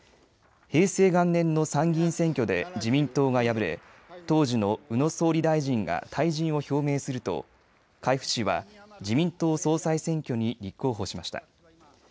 平成元年の参議院選挙で自民党が敗れ当時の宇野総理大臣が退陣を表明すると海部氏は自民党総裁選挙に立候補しました。